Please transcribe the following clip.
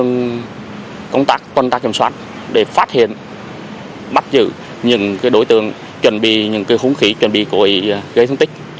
tăng cường công tác kiểm soát để phát hiện bắt giữ những đối tượng chuẩn bị những khủng khí chuẩn bị cội gây thương tích